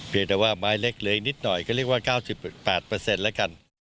เพียงแต่ว่าไม้เล็กนิดหน่อยก็เรียกว่า๙๘เปอร์เซ็นต์แล้วกัน